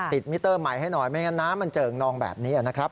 มิเตอร์ใหม่ให้หน่อยไม่งั้นน้ำมันเจิ่งนองแบบนี้นะครับ